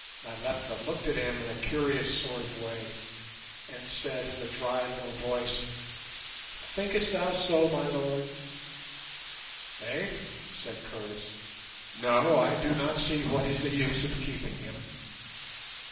Nyleptha looked at him in a curious sort of way, and said in a dry little voice, "Thinkest thou so, my lord?" "Eh?" said Curtis. "No, I do not see what is the use of keeping him."